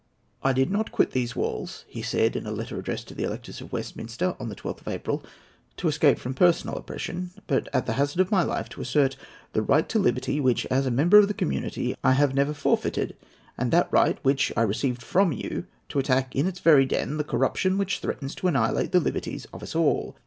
"I did not quit these walls," he said in a letter addressed to the electors of Westminster, on the 12th of April, "to escape from personal oppression, but, at the hazard of my life, to assert that right to liberty which, as a member of the community, I have never forfeited, and that right, which I received from you, to attack in its very den the corruption which threatens to annihilate the liberties of us all.